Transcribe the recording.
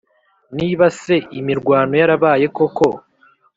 niba se imirwano yarabaye koko,